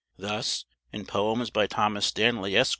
Thus, in poems by Thomas Stanley, Esq.